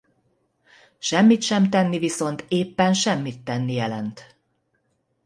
Semmit sem tenni viszont éppen semmit tenni jelent.